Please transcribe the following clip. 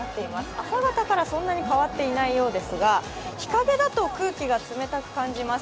朝方からそんなに変わっていないようですが、日陰だと空気が冷たく感じます。